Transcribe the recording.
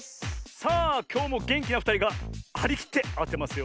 さあきょうもげんきなふたりがはりきってあてますよ。